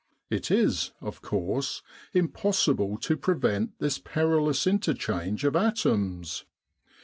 It is, of course, impossible to prevent this perilous interchange of atoms.